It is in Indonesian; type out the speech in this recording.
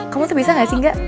kamu tuh bisa ga sih engga